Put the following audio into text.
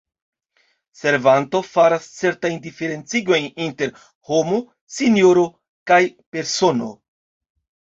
Servanto faras certajn diferencigojn inter « homo »,« sinjoro » kaj « persono ».